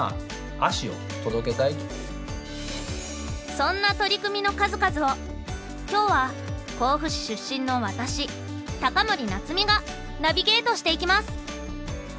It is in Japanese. そんな取り組みの数々を今日は甲府市出身の私高森奈津美がナビゲートしていきます。